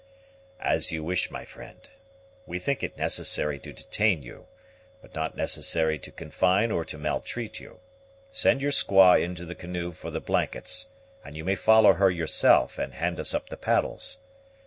"As you wish, my friend. We think it necessary to detain you; but not necessary to confine or to maltreat you. Send your squaw into the canoe for the blankets and you may follow her yourself, and hand us up the paddles.